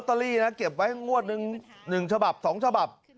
ที่ผ่านไปแล้วนะครับ